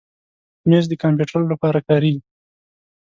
مېز د کمپیوټر لپاره کارېږي.